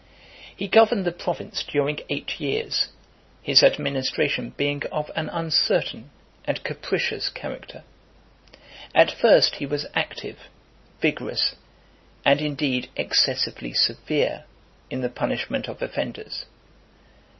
IX. He governed the province during eight years, his administration being of an uncertain and capricious character. At first he was active, vigorous, and indeed excessively severe, in the punishment of offenders.